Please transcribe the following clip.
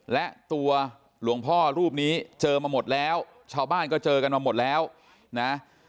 และตัวหลวงพ่อรูปนี้เจอมาหมดแล้วชาวบ้านก็เจอกันมาหมดแล้วนะ